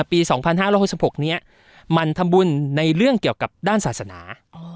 ปีสองพันห้าร้อยห้อนสามหกนี้มันทำบุญในเรื่องเกี่ยวกับด้านศาสนา